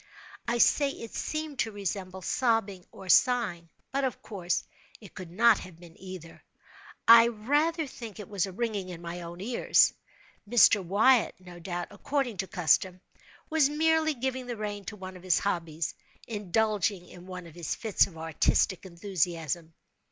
I say it seemed to resemble sobbing or sighing—but, of course, it could not have been either. I rather think it was a ringing in my own ears. Mr. Wyatt, no doubt, according to custom, was merely giving the rein to one of his hobbies—indulging in one of his fits of artistic enthusiasm.